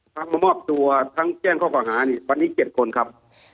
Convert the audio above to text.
ทั้งมมอบตัวทั้งแต้งข้องหาวันนี้เจ็ดคนครับ